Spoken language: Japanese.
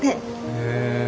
へえ。